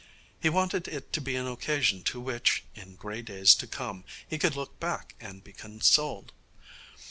He wanted it to be an occasion to which, in grey days to come, he could look back and be consoled.